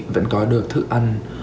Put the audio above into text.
vẫn có được thức ăn